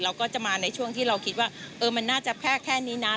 เราก็จะมาในช่วงที่เราคิดว่ามันน่าจะแพร่แค่นี้นะ